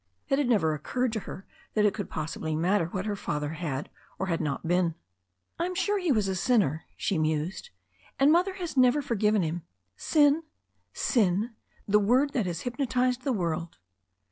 It had never occurred to her that it could posr sibly matter what her father had or had not been. "I'm sure he was a sinner," she mused, "and Mother has never forgiven him. Sin — sin — ^the word that has hypnotized the world."